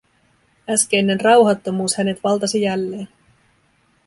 Äskeinen rauhattomuus hänet valtasi jälleen.